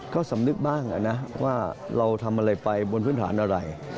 ก็สำนึกบ้างนะว่าเราทำอะไรไปบนพื้นฐานอะไร